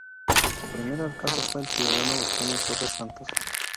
Su primer Alcalde fue el ciudadano Eugenio Torres Santos.